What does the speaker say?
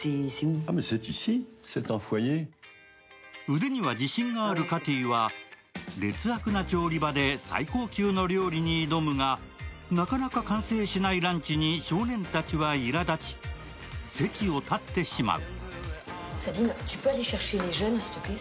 腕には自信があるカティは劣悪な調理場で最高級の料理に挑むが、なかなか完成しないランチに少年たちはいら立ち、席を立ってしまう。